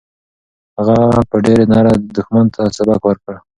هغه په ډېرې نره دښمن ته سبق ورکړ.